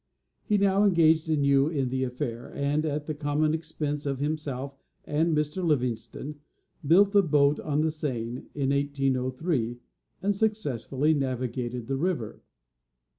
He now engaged anew in the affair, and at the common expense of himself and Mr. Livingston built a boat on the Seine, in 1803, and successfully navigated the river.